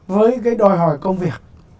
với cái đòi hỏi công việc